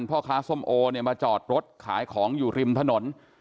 พ่อค้าส้มโอเนี่ยมาจอดรถขายของอยู่ริมถนน